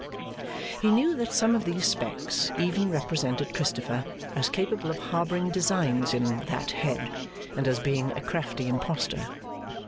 He knew that some of these specks even represented Christopher as capable of harbouring designs in 'that head,' and as being a crafty impostor.